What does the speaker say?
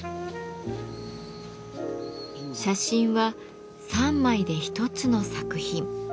写真は３枚で一つの作品。